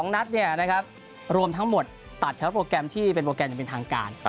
๒นัดรวมทั้งหมดตัดเฉพาะโปรแกรมที่เป็นโปรแกรมอย่างเป็นทางการ